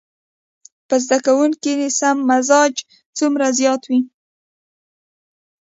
په زده کوونکي کې سم مزاج څومره زيات وي.